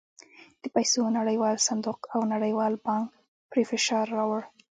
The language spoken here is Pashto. د پیسو نړیوال صندوق او نړیوال بانک پرې فشار راووړ.